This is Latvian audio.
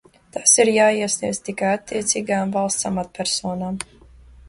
Tās ir jāiesniedz tikai attiecīgajām valsts amatpersonām.